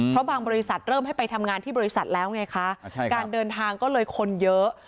เพราะบางบริษัทเริ่มให้ไปทำงานที่บริษัทแล้วไงคะการเดินทางก็เลยคนเยอะ